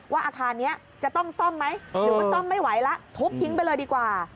อาคารนี้จะต้องซ่อมไหมหรือว่าซ่อมไม่ไหวแล้วทุบทิ้งไปเลยดีกว่า